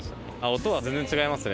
音は全然違いますね。